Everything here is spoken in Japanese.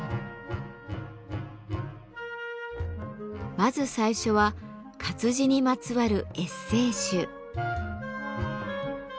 まず最初は活字にまつわるエッセー集。